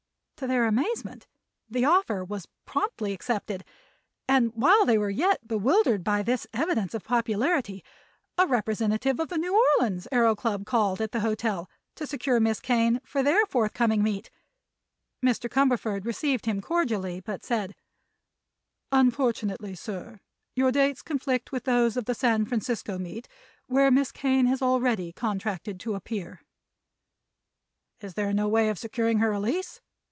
To their amazement the offer was promptly accepted, and while they were yet bewildered by this evidence of popularity, a representative of the New Orleans Aëro Club called at the hotel to secure Miss Kane for their forthcoming meet. Mr. Cumberford received him cordially, but said: "Unfortunately, sir, your dates conflict with those of the San Francisco meet, where Miss Kane has already contracted to appear." "Is there no way of securing her release?"